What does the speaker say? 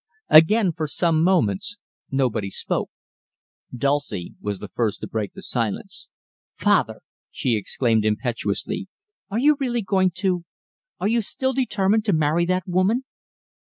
Again, for some moments, nobody spoke. Dulcie was the first to break the silence. "Father," she exclaimed impetuously, "are you really going to are you still determined to marry that woman?"